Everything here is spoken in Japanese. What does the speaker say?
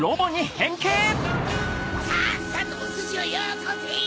さっさとおすしをよこせ！